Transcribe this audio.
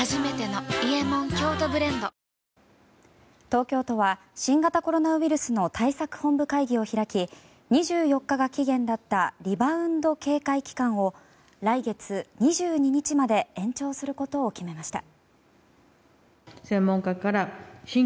東京都は新型コロナウイルスの対策本部会議を開き２４日が期限だったリバウンド警戒期間を来月２２日まで延長することを決めました。